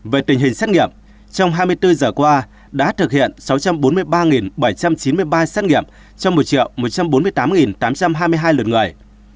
về tình hình xét nghiệm trong hai mươi bốn giờ qua đã thực hiện sáu trăm bốn mươi ba bảy trăm chín mươi ba xét nghiệm trong một một trăm bốn mươi tám tám trăm hai mươi hai lượt người